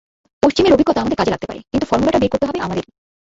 পশ্চিমের অভিজ্ঞতা আমাদের কাজে লাগতে পারে, কিন্তু ফর্মুলাটা বের করতে হবে আমাদেরই।